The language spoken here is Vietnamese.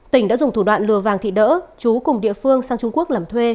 tỉnh đã dùng thủ đoạn lừa vàng thị đỡ chú cùng địa phương sang trung quốc làm thuê